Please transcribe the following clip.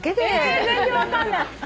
え全然分かんない。